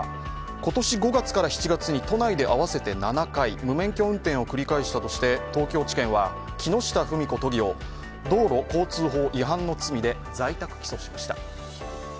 今年５月から７月に都内で合わせて７回、無免許運転を繰り返したとして、東京地検は木下富美子都議を道路交通法違反の罪で在宅起訴しました。